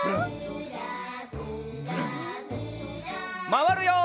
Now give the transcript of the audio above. まわるよ。